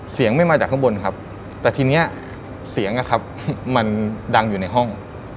เสียงไม่มาจากข้างบนแต่ทีนี้เสียงดังอยู่ในห้อง